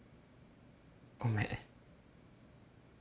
ごめん。